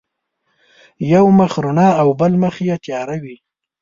یو مخ رڼا او بل مخ یې تیار وي.